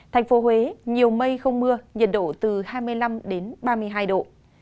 thành phố huế nhiều mây không mưa nhiệt độ từ hai mươi năm đến ba mươi hai độ